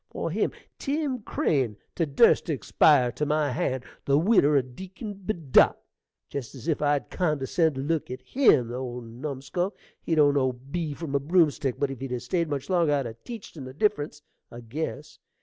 for him Tim Crane to durst to expire to my hand, the widder o' Deacon Bedott! Jest as if I'd condescen' to look at him, the old numskull! He don't know B from a broomstick; but if he'd 'a' stayed much longer I'd 'a' teached him the difference, I guess.